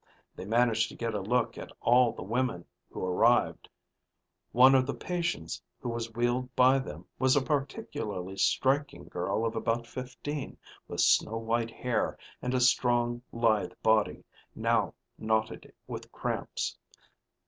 They managed to get a look at all the women who arrived. One of the patients who was wheeled by them was a particularly striking girl of about fifteen with snow white hair and a strong, lithe body, now knotted with cramps.